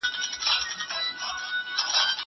زه مخکي اوبه څښلې وې!